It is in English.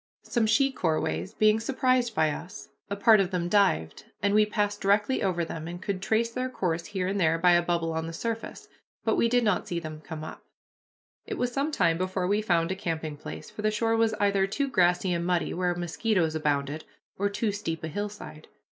Some she corways being surprised by us, a part of them dived, and we passed directly over them, and could trace their course here and there by a bubble on the surface, but we did not see them come up. It was some time before we found a camping place, for the shore was either too grassy and muddy, where mosquitoes abounded, or too steep a hillside.